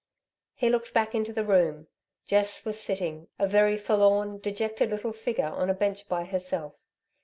He looked back into the room. Jess was sitting, a very forlorn, dejected little figure on a bench by herself.